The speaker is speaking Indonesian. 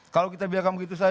kalau kita biarkan begitu saja